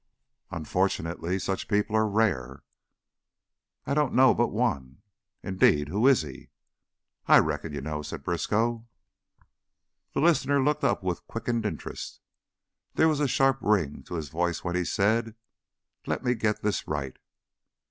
"Unfortunately, such people are rare." "I don't know but one." "Indeed? Who is he?" "I reckon you know," said Briskow. The listener looked up with quickened interest; there was a sharp ring to his voice when he said: "Let me get this right."